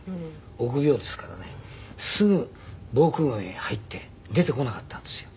臆病ですからねすぐ防空壕へ入って出てこなかったんですよ。